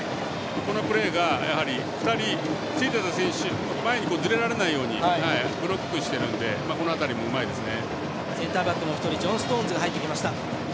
このプレーがやはり、２人ついてた選手前にずれられないようにブロックしてるのでこの辺りもうまいですね。